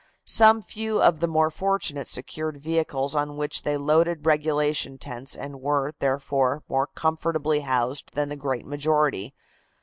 Some few of the more fortunate secured vehicles on which they loaded regulation tents and were, therefore, more comfortably housed than the great majority.